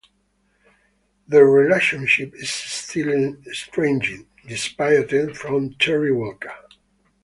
The relationship is still estranged despite attempts from Terry Walker.